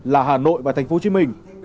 là hà nội và thành phố hồ chí minh